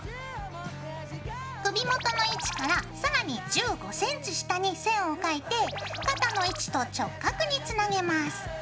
首元の位置から更に１５ｃｍ下に線を描いて肩の位置と直角につなげます。